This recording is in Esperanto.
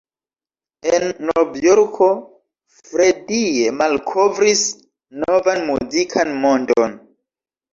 En Novjorko Freddie malkovris novan muzikan mondon.